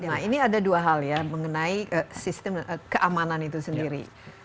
nah ini ada dua hal ya mengenai sistem keamanan itu sendiri